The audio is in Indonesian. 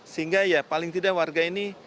sehingga ya paling tidak warga ini